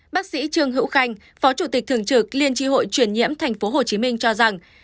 bác sĩ trương hữu khanh phó chủ tịch thường trực liên tri hội chuyển nhiễm tp hcm cho rằng